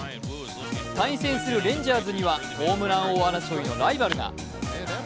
対戦するレンジャーズにはホームラン王争いのライバルが。